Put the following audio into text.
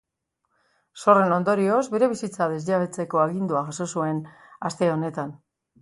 Zorren ondorioz, bere etxebizitza desjabetzeko agindua jaso zuen aste honetan.